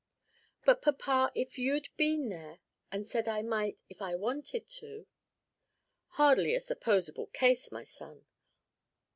"But, papa, if you'd been there and said I might if I wanted to?" "Hardly a supposable case, my son."